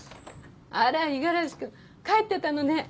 あら五十嵐君帰ってたのね。